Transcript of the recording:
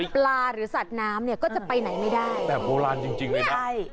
ปลาหรือสัตว์น้ำเนี่ยก็จะไปไหนไม่ได้แบบโบราณจริงจริงเลยนะใช่